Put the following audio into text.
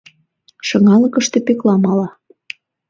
Шыҥалыкыште Пӧкла мала.